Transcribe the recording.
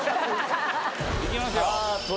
いきますよ。